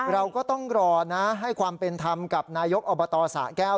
เราก็ต้องรอนะให้ความเป็นธรรมกับนายกอบตสะแก้ว